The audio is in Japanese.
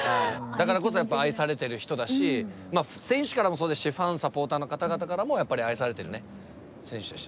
だからこそやっぱ愛されてる人だし選手からもそうですしファンサポーターの方々からもやっぱり愛されてる選手でしたね。